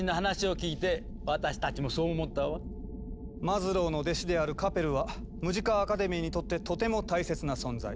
マズローの弟子であるカペルはムジカ・アカデミーにとってとても大切な存在。